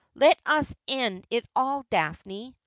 Let us end it all, Daphne.